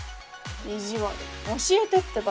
意地悪教えてってば。